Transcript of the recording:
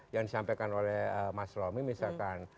yang disampaikan oleh mas romy misalkan